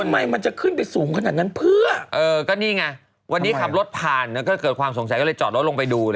มีทูบปากอยู่อะ